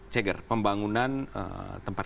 ceger pembangunan tempat